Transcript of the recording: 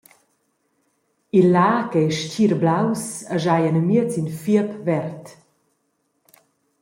Il lag ei stgirblaus e schai enamiez in fiep verd.